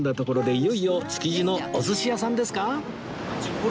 いよいよ築地のお寿司屋さんですか？